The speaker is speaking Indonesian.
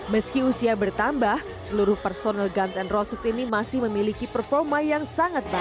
meski usia bertambah seluruh personel guns and roses ini masih memiliki performa yang sangat baik